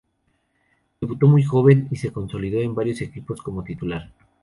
Debutó muy joven y se consolidó en varios equipos como titular.